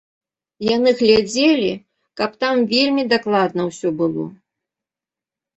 Яны глядзелі, каб там вельмі дакладна ўсё было.